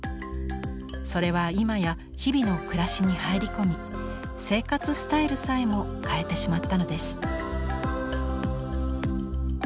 それは今や日々の暮らしに入り込み生活スタイルさえも変えてしまったのです。